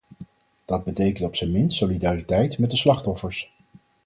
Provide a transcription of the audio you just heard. Dat betekent op zijn minst solidariteit met de slachtoffers.